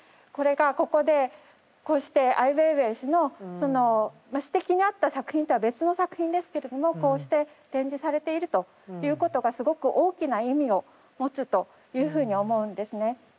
これがここでこうしてアイウェイウェイ氏のその指摘にあった作品とは別の作品ですけれどもこうして展示されているということがすごく大きな意味を持つというふうに思うんですね。